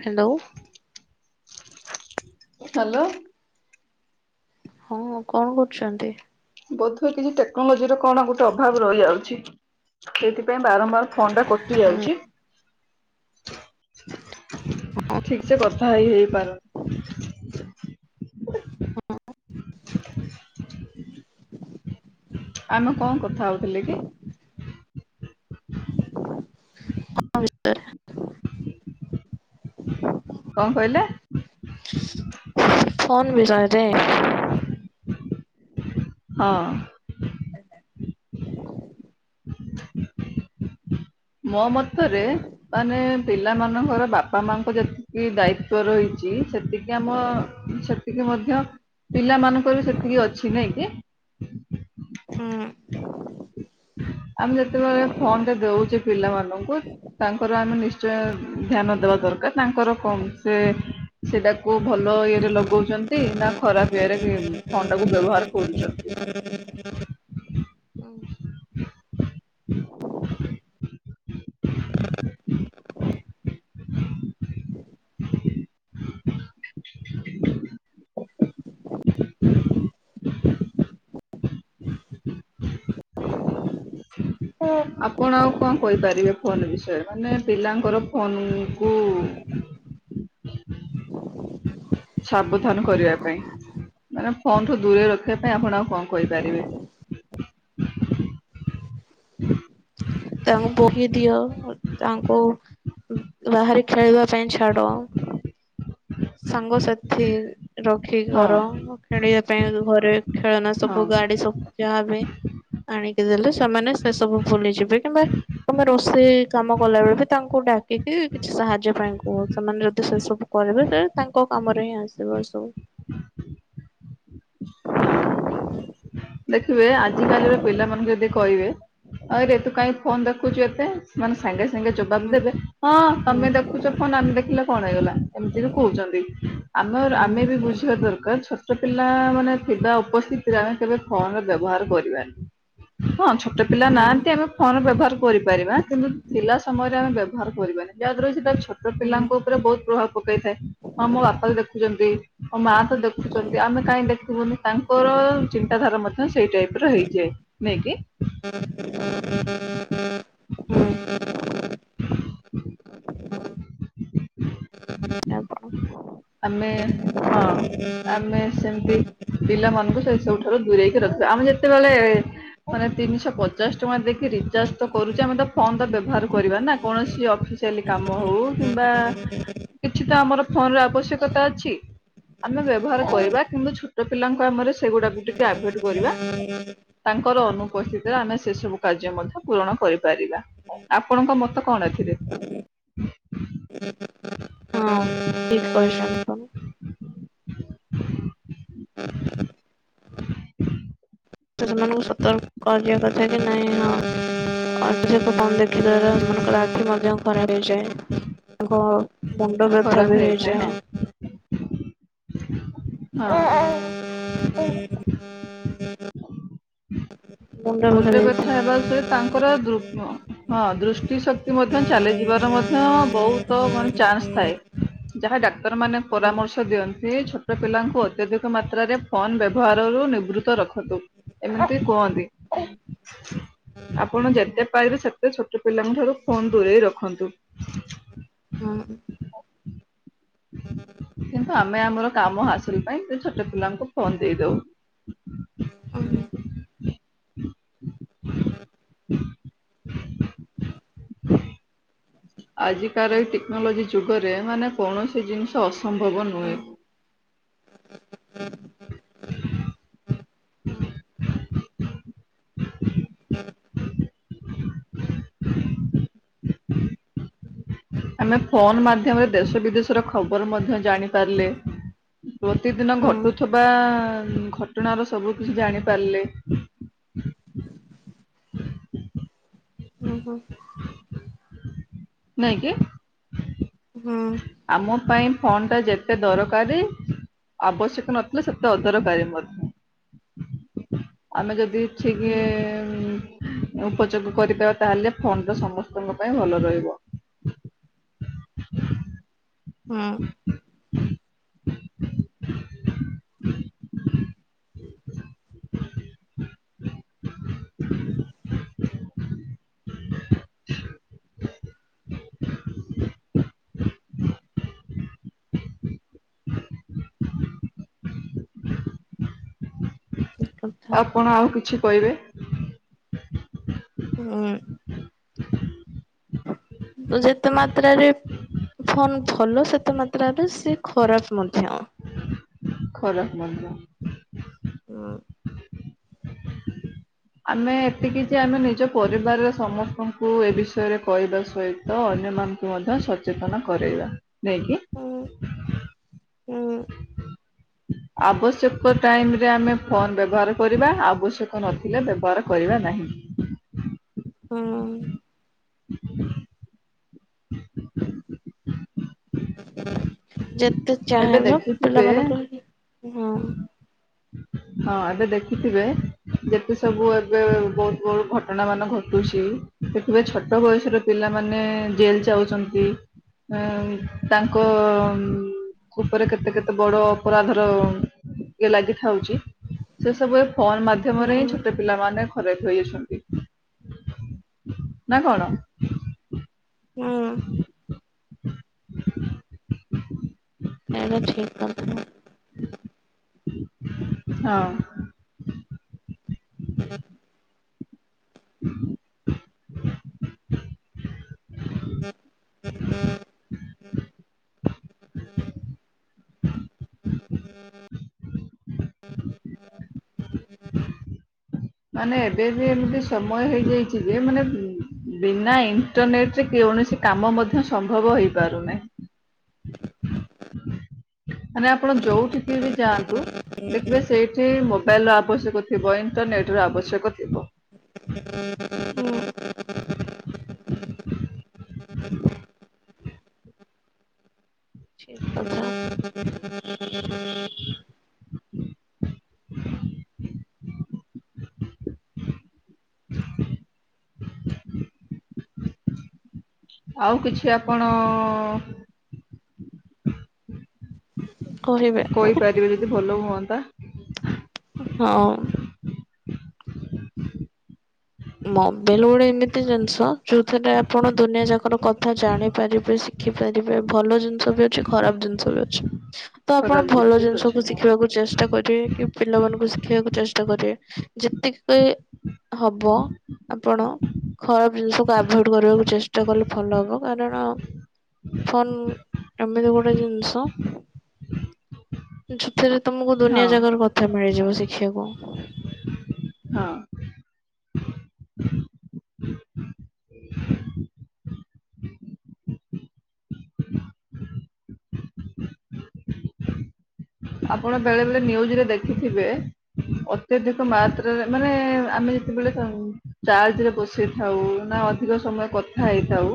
Hello. Hello. ହଁ କଣ କରୁଛନ୍ତି? ବୋଧ ହୁଏ କିଛି ଟେକ୍ନୋଲୋଜି ର କଣ ଗୋଟେ ଅଭାବ ରହିଯାଉଛି। ସେଇଥିପାଇଁ ବାରମ୍ବାର ଫୋନ୍ ଟା କଟି ଯାଉଛି। ଠିକ୍ ସେ କଥା ହେଇ ହେଇପାରୁନି। ହ [unintelligible] ଆମେ କଣ କଥା ହଉଥିଲେ କି? ବିଷୟରେ କଣ କହିଲେ? ଫୋନ୍ ବିଷୟ ରେ ହଁ। ମୋ ମତରେ ମାନେ ପିଲା ମାନଙ୍କର ବାପା ମାଙ୍କ ଯେତିକି ଦାୟିତ୍ବ ରହିଛି ସେତିକି ଆମ, ସେ ସେତିକି ମଧ୍ୟ ପିଲା ମାନଙ୍କର ବି ସେତିକି ଅଛି ନାଇଁ କି? ହୁଁ। ଆମେ ଯେତେବେଳେ ଫୋନ ଟେ ଦଉଛେ ପିଲାମାନଙ୍କୁ ତାଙ୍କର ଆମେ ନିଶ୍ଚୟ ଧ୍ୟାନ ଦେବା ଦରକାର ତାଙ୍କର କଁ ସେ ସେତାକୁ ଭଲ ଇଏରେ ଲଗଉଚନ୍ତି ନା ଖରାପ୍ ଇଏରେ ଉ [inaudible] [inaudible] [inaudible] ଓ ଆପଣ ଆଉ କଣ କହିପାରିବେ ଫୋନ୍ ବିଷୟରେ ମାନେ ପିଲାଙ୍କର ଫୋନ୍ କୁ ସାବଧାନ କରିବା ପାଇଁ ମାନେ ଫୋନଠୁ ଦୂରେଇ ରଖିବା ପାଇଁ ଆପଣ ଆଉ କଣ କରିପାରିବେ? ତାଙ୍କୁ ବହି ଦିଅ ତାଙ୍କୁ ବାହାରେ ଖେଳିବା ପାଇଁ ଛାଡ଼ ସାଙ୍ଗସାଥି ରଖିକି ହଁ କର ଖେଳିବା ପାଇଁ ଘରେ ଖେଳନା ହଁ ସବୁ ଗାଡ଼ି ସବୁ ଯାହାବି ଆଣିକି ଦେଲେ ସେମାନେ ସେ ସବୁ ଭୁଲିଯିବେ କିମ୍ବା ତମେ ରୋଷେଇ କାମ କଲାବେଳେବି ତାଙ୍କୁ ଡାକିକି କିଛି ସାହାଯ୍ୟ ପାଇଁ କୁହ ସେମାନେ ଯଦି ସେସବୁ କରିବେ ସେ ତାଙ୍କ କାମରେ ହିଁ ଆସିବ ସବୁ। ହଁ ଦେଖିବେ ଆଜିକାଲିର ପିଲାମାନଙ୍କୁ ଯଦି କହିବେ ଆରେ ତୁ କାହିଁ ଫୋନ୍ ଦେଖୁଚୁ ଏତେ ମାନେ ସାଙ୍ଗେ ସାଙ୍ଗେ ଜବାବ ହୁଁ ଦେବେ ହଁ ତମେ ହୁଁ ଦେଖୁଚ ଫୋନ୍ ଆମେ ଦେଖିଲେ କଣ ହେଇଗଲା। ଏମିତିରେ କହୁଚନ୍ତି ଆମ ହୁଁ ଆମେବି ବୁଝିବା ଦରକାର ଛ ଛୋଟ ପିଲା ମାନେ ଥିବା ଉପସ୍ଥିତିରେ ଆମେ କେବେ ଫୋନ୍ ବ୍ୟବହାର କରିବାନି। ହଁ ଛୋଟା ପିଲା ହୁଁ ନାହାନ୍ତି ଆମେ ଫୋନ୍ ବ୍ୟବହାର କରିପାରିବା କିନ୍ତୁ ଥିଲା ସମୟରେ ଆମେ ବ୍ୟବହାର କରିବାନି ଯାହାଦ୍ୱାରା ସେଇ ତାର ଛ ତ ହୁଁ। ପିଲାଙ୍କ ଉପରେ ବହୁତ୍ ପ୍ରଭାବ ପକେଇଥାଏ ହଁ ମୋ ବାପାବି ଦେଖୁଚନ୍ତି ଆ ହୁଁ ମାତ ଦେଖୁଚନ୍ତି ଆମେ କାଇଁ ଦେଖିବୁନି। ତାଙ୍କର ଚିନ୍ତାଧାରା ମଧ୍ୟ ସେଇ ଟାଇପର ହେଇଯାଏ ନାଇକି? [inaudible] [unintelligible] ହୁଁ [inaudible] [unintelligible] ଆ ଆମେ ହଁ। ଆମେ ସେମିତି ପିଲାମାନଙ୍କୁ ସେଇ ସବୁଠାରୁ ଦୂରେଇକି ରଖିବା ଆମେ ଯେତେବେଳେ ମାନେ ତିନିଶହ ପଚାଶ ଟଙ୍କା ଦେଇକିରି ରିଚାର୍ଜ କରୁଛେ ଆମେତ ଫୋନତ ବ୍ୟବହାର କରିବାନା କୌଣସି ଅଫିସିଆଲି [unintelligible] କିଛିତ ଆମର ଫୋନର ଆବଶ୍ୟକତା ଅଛି। ଆମେ ବ୍ୟବହାର କରିବା କିନ୍ତୁ ଛୋଟ ପିଲାଙ୍କ ଆମରେ ସେଗୁଡ଼ାକୁ ଟିକେ ଆଭଏଡ କରିବା। ତାଙ୍କର ଅନୁପସ୍ଥିତିରେ ଆମେ ସେସବୁ କାର୍ଯ୍ୟ ମଧ୍ୟ ପୂରଣ କରିପାରିବା। ଆପଣଙ୍କ ମତ କଣ ଏଥିରେ? ହଁ ଠିକ୍ କହିଚନ୍ତି ଆପଣ। [unintelligible] ସେମାନଙ୍କୁ ସତର୍କ କରିିବା କଥାକି ନାଇଁ ହଁ [unintelligible] ଆଖି ଦ୍ଵାରା ସୋନଙ୍କର ଆଖି ମଧ୍ୟ ଖରାପ୍ ହେଇଯାଏ। ମୁଣ୍ଡ ବ୍ୟଥାବି ହେଇଯାଏ। ଓ [inaudible] [inaudible] ମୁଣ୍ଡ ମୁନରେ ବି ହେଇଥାଏ। ବ୍ୟଥା ହେବା ସହିତ ତାଙ୍କର ଦୃ ହଁ ଦୃଷ୍ଟି ଶ କ୍ତି ମଧ୍ୟ ଚାଲିଯିବାର ମଧ୍ୟ ବହୁତ ମାନେ ଚାନ୍ସ ଥାଏ। ଯାହା ଡାକ୍ତରମାନେ ପରାମର୍ଶ ଦିଅନ୍ତି ଛୋଟ ପିଲାଙ୍କୁ ଅତ୍ୟଧିକ ମାତ୍ରାରେ ଫୋନ ବ୍ୟବହାରରୁୁ ନିବୃତ୍ତ ରଖନ୍ତୁ ଏମିତି କୁହନ୍ତି। ଆପଣ ଯେତେ ପାରିବେ ସେ ତେ ଛୋଟ ପିଲାଙ୍କ ଠାରୁ ଫୋନ ଦୂରେଇ ରଖନ୍ତୁ। ହୁଁ। [unintelligible] କିନ୍ତୁ ଆମେ ଆମର କାମ ହାସଲ ପାଇଁ ଛୋଟ ପିଲାଙ୍କୁ ଫୋନ ଦେଇଦଉ। ଉହୁଁ। [inaudible] ଆଜିକାର ଏ ଟେକ୍ନୋଲୋଜି ଯୁଗରେ ମାନେ କୌଣସି ଜିନିଷ ଅସମ୍ଭବ ନୁହେଁ। [inaudible] ହୁଁ। ଆମେ ଫୋନ୍ ମାଧ୍ୟମରେ ଦେଶ ବିଦେଶ ର ଖବର ମଧ୍ୟ ଜାଣି ପାରିଲେ ପ୍ରତିଦିନ ଘଟୁଥିବା ଘଟ୍ ଟଣା ର ସବୁ କିଛି ଜାଣି ପାରିଲେ। ଓହ। ନାଇଁ କି? ହୁଁ। ଆମ ପାଇଁ ଫୋନ୍ ଟା ଯେତେ ଦରକାରୀ ଆବଶ୍ୟକ ନଥିଲେ ସେତେ ଅଦରକାରୀ ମଧ୍ୟ ଆମେ ଯଦି ଛିଗିଏ ଉଁ ଉପଯୋଗ କରିବା ତାହେଲେ ଫୋନଟା ସମସ୍ତଙ୍କ ପାଇଁ ଭଲ ରହିବ। ହୁଁ। ଠିକ୍ କଥା। ଆପଣ ଆଉ କିଛି କହିବେ? ଉ ଯେତେ ମାତ୍ରାରେ ଫୋନ ଭଲ ସେତେ ମାତ୍ରାରେ ସେ ଖରାପ ମଧ୍ୟ। ଖରାପ ମଧ୍ୟ। ଅଁ। ଆମେ ଏତିକି ଯେ ଆମେ ନିଜ ପରିବାରରେ ସମସ୍ତ ଙ୍କୁ ଏ ବିଷୟରେ କହିବା ସହି ତ ଅନ୍ୟମାନଙ୍କୁ ମଧ୍ୟ ସଚେତନ କରେଇବା, ନେଇକି ହୁଁ ହୁଁ। ଆବଶ୍ୟକ ଟାଇମ ରେ ଆମେ ଫୋନ୍ ବ୍ୟବହାର କରିବା ଆବଶ୍ୟକ ନଥିଲେ ବ୍ୟବହାର କରିବା ନାହିଁ। ହୁଁ। ଯେତେ ଏବେ ଚାହିଁବ ଦେଖିଥିବେ [unintelligible] ହଁ। [inaudible] ହଁ ଏବେ ଦେଖିଥିବେ ଯେତେ ସବୁ ଏବେ ବହୁତ୍ ବହୁତ୍ ଘଟଣା ମାନ ଘଟୁଚି ‌ ଦେଖିବେ ଛୋଟ ବୟସର ପିଲାମାନେ ଜେଲ୍ ଯାଉଚନ୍ତି। ଏଁ ତାଙ୍କ। ଉପରେ କେତେ କେତେ ବଡ ଅପରାଧର ଇଏ ଲାଗିଥାଉଚି ସେ ସବୁ ଏ। ଫୋନ୍ ହୁଁ ମାଧ୍ୟମରେ ହିଁ ଛୋଟ ପିଲାମାନେ। ଖରାପ୍ ହେଇ ଯାଉଛନ୍ତି ନା କଣ? ହୁଁ [inaudible] ଏଇଟା ଠିକ୍ କଥା। ହଁ। [inaudible] [inaudible] [inaudible] [inaudible] [inaudible] ମାନେ ଏବେ ବି ଏମିତି ସମୟ ହେଇଯାଇଛି। ମାନେ ବିନା ଇଣ୍ଟରନେଟରେ କୌଣସି କାମ ମଧ୍ୟ ସମ୍ଭବ ହେଇପାରୁନାହିଁ। [inaudible] ମାନେ ଆପଣ ଯୋଉଠିକି ବି ଯାଆନ୍ତୁ ଦେଖିବେ। ସେଇଠି ମୋବାଇଲର ଆବଶ୍ୟକ ଥିବ ଇଣ୍ଟରନେଟର ଆବଶ୍ୟକ ଥିବ। [inaudible] [inaudible] [inaudible] [inaudible] [inaudible] ଆଉ କିଛି ଆପଣ। କହିବେ କହିପାରିବେ ଯଦି ଭଲ ହୁଅନ୍ତା। ହଁ। ମୋବାଇଲ୍ ଗୋଟେ ଏମିତି ଜିନିଷ ଯୋଉଥିରେ ଆପଣ ଦୁନିଆ ଯାକର କଥା ଜାଣିପାରିବେ। ଦେଖିପାରିବେ ଭଲ ଜିନିଷ ବି। ଖରାପ ଜିନିଷ ବି ଅଛି ତ ଆପଣ ଖରାପ ଭଲ ବି ଜିନିଷ ଅଛି କୁ ହଁ ଶିଖିବାକୁ ଚେଷ୍ଟା। ଚେଷ୍ଟା କରିବେ କି ପିଲାମାନଙ୍କୁ ଶିଖିବାକୁ ଚେଷ୍ଟା କରିବେ ଯେତିକି ହବ। [inaudible] ଆପଣ ଖରାପ ଜିନିଷକୁ ଆଭଏଡ୍ କରିବାକୁ ଚେଷ୍ଟା କଲେ ଭଲ ହବ କାରଣ‌। ଫୋନ୍ ଏମିତି ଗୋଟେ ଜିନିଷ। ସେଥିରେ ତମକୁ ହଁ ଦୁନିଆ ଜାଗାର କଥା ମିଳିଯିବ ଶିଖିବାକୁ। ହଁ। [inaudible] ଆପଣ ବେଳେ ବେଳେ ନ୍ୟୁଜରେ ଦେଖିଥିବେ। ଅତ୍ୟାଧିକ ମାତ୍ରାରେ ମାନେ ଆମେ ଯେତେବେଳେ ଚା। ଚାର୍ଜରେ ବସେଇଥାଉ ନା ଅଧିକ ସମୟ କଥା ହେଇଥାଉ।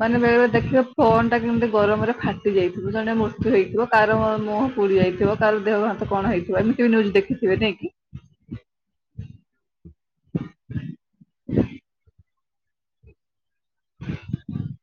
ମାନେ ବେଳେବେଳେ ଦେଖିବେ ଫୋନ୍ ଟା କେମିତି ଗରମରେ ଫାଟି ଯାଇଥିବ ଜଣେ ମୃତ୍ୟୁ ହେଇଥିବ କାହାର ମୁହଁ ପୁଡି ଯାଇଥିବ। ଥିବ କାହାର ଦେହ ହାତ କଣ ହେଇଥିବ ଏମିତି ବି ନ୍ୟୁଜ୍ ଦେଖଥିବେ ନାଇଁ କି? [inaudible] [inaudible]